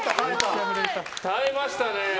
耐えましたね。